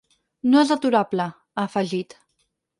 No és aturable, ha afegit.